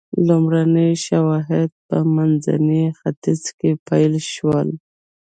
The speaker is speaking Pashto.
لومړني شواهد په منځني ختیځ کې پیل شول.